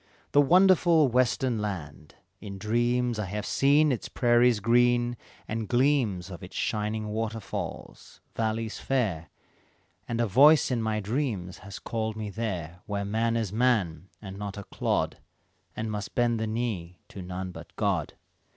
"The wonderful western land; in dreams I have seen its prairies green, and gleams Of its shining waterfalls, valleys fair, And a voice in my dreams has called me there Where man is a man, and not a clod, And must bend the knee to none but God.